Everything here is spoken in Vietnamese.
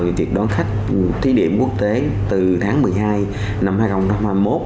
về việc đón khách thí điểm quốc tế từ tháng một mươi hai năm hai nghìn hai mươi một